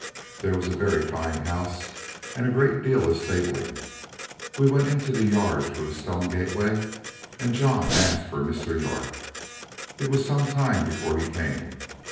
There was a very fine house and a great deal of stabling. We went into the yard through a stone gateway, and John asked for Mr. York. It was some time before he came.